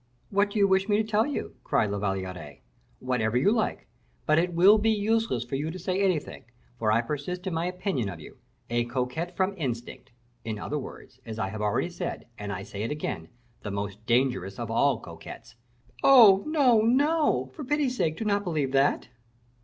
"What do you wish me to tell you?" cried La Valliere. "Whatever you like; but it will be useless for you to say anything, for I persist in my opinion of you. A coquette from instinct; in other words, as I have already said, and I say it again, the most dangerous of all coquettes." "Oh! no, no; for pity's sake do not believe that!"